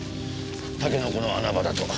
タケノコの穴場だと。